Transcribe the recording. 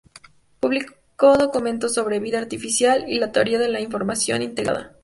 Publicó documentos sobre "vida artificial" y la "teoría de la información integrada".